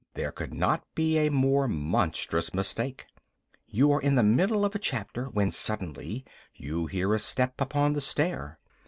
There could not be a more monstrous mistake. You are in the middle of a chapter, when suddenly you hear a step upon the stair.